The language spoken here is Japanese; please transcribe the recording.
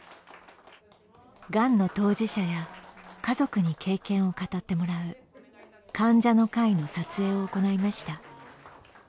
がんの当事者や家族に経験を語ってもらう患者の会の撮影を行いました。